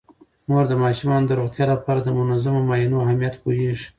مور د ماشومانو د روغتیا لپاره د منظمو معاینو اهمیت پوهیږي.